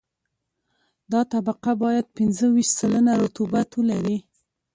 دا طبقه باید پنځه ویشت سلنه رطوبت ولري